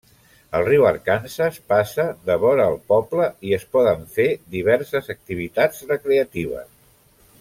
El riu Arkansas passa devora el poble i es poden fer diverses activitats recreatives.